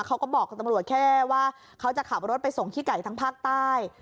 เขาก็บอกกับตำรวจแค่ว่าเขาจะขับรถไปส่งขี้ไก่ทางภาคใต้